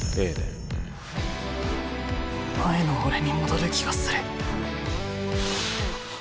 前の俺に戻る気がする。